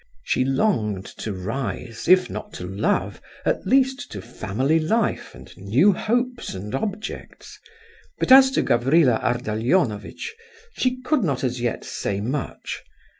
She longed to rise, if not to love, at least to family life and new hopes and objects, but as to Gavrila Ardalionovitch, she could not as yet say much.